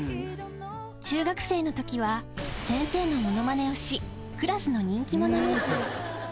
中学生のときは先生のものまねをし、クラスの人気者に。